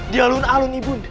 di alun alun ibunda